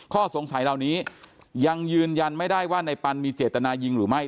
ข้อสงสัยเหล่านี้ยังยืนยันไม่ได้ว่าในปันมีเจตนายิงหรือไม่